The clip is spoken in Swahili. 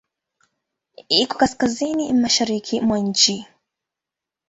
Iko kaskazini-mashariki mwa nchi.